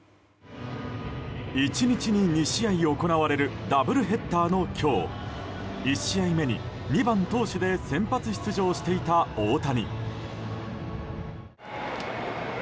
１日に２試合行われるダブルヘッダーの今日１試合目に２番投手で先発出場していた大谷。